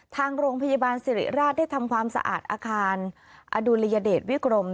ทางโรงพยาบาลสิริราชได้ทำความสะอาดอาคารอดุลยเดชวิกรม